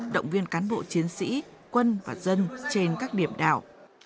động viên cán bộ chiến sĩ quân và dân trên các điểm đảo